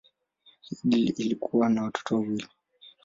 Headlee alikuwa na watoto wawili.